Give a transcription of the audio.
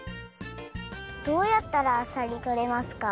どうやったらあさりとれますか？